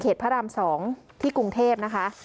เขตพระรามทร์สองที่กรุงเทพย์นะคะ